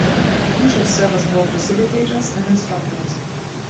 Teachers serve as both facilitators and instructors.